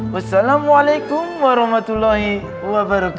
wassalamualaikum warahmatullahi wabarakatuh